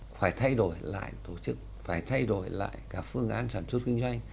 phải thay đổi lại tổ chức phải thay đổi lại cả phương án sản xuất kinh doanh